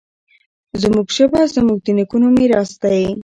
زموږ ژبه زموږ د نیکونو میراث دی.